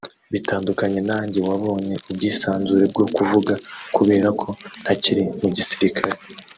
bitandukanye nanjye wabonye ubwisanzure bwo kuvuga kubera ko ntakiri mu gisirikare